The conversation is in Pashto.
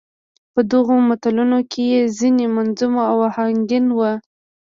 په دغو متلونو کې يې ځينې منظوم او اهنګين وو.